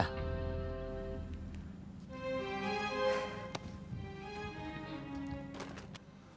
itu aja kan laporannya